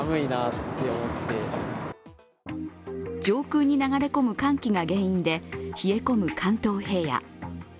上空に流れ込む寒気が原因で冷え込む関東平野。